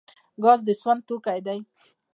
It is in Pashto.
ګاز د سون توکی دی